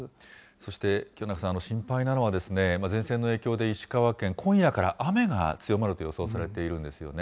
そして清永さん、心配なのは前線の影響で、石川県、今夜から雨が強まると予想されているんですよね。